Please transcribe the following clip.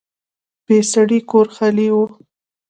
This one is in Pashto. بې سړي کور خالي وي